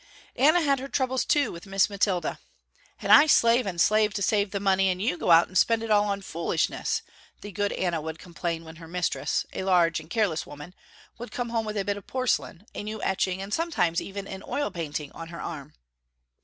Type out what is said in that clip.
Anna had her troubles, too, with Miss Mathilda. "And I slave and slave to save the money and you go out and spend it all on foolishness," the good Anna would complain when her mistress, a large and careless woman, would come home with a bit of porcelain, a new etching and sometimes even an oil painting on her arm.